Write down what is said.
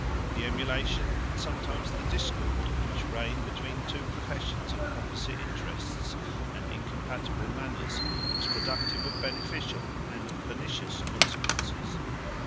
The emulation, and sometimes the discord, which reigned between two professions of opposite interests and incompatible manners, was productive of beneficial and of pernicious consequences.